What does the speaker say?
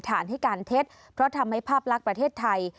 ฐานให้การเท็จเพราะทำให้ภาพลักษณ์ประเทศไทย